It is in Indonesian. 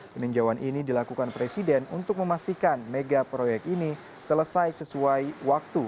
peninjauan ini dilakukan presiden untuk memastikan mega proyek ini selesai sesuai waktu